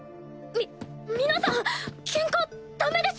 み皆さんケンカダメです。